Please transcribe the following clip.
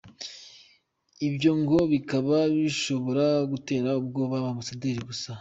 ibyo ngo bikaba bishobora gutera ubwoba Ambasaderi Gasana.